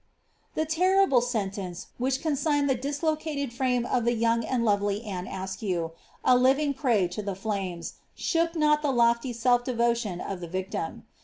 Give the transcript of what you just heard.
The terrible sentence, which consigned the dislocated frame of the young and lovely Anne Askew, a living prey to the flames, shook not the lofty self devotion of tlie victim.'